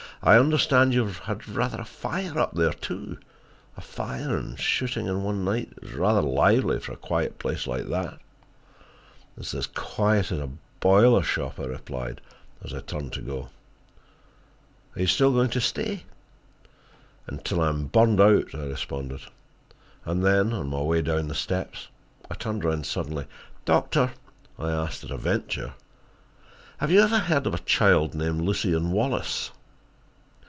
"I understand you have had a fire up there, too. A fire and shooting in one night is rather lively for a quiet place like that." "It is as quiet as a boiler shop," I replied, as I turned to go. "And you are still going to stay?" "Until I am burned out," I responded. And then on my way down the steps, I turned around suddenly. "Doctor," I asked at a venture, "have you ever heard of a child named Lucien Wallace?"